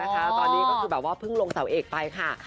ตอนนี้ก็คือแบบว่าเพิ่งลงเสาเอกไปค่ะ